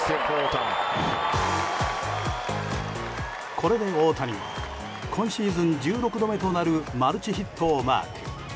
これで大谷は今シーズン１６度目となるマルチヒットをマーク。